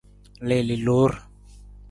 Liili loor.